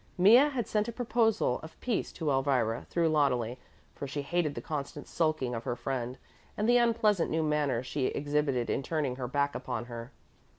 Mea had sent a proposal of peace to Elvira through Loneli, for she hated the constant sulking of her friend and the unpleasant new manner she exhibited in turning her back upon her.